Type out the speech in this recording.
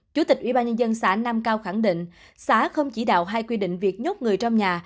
chủ tịch ủy ban nhân dân xã nam cao khẳng định xã không chỉ đạo hay quy định việc nhốt người trong nhà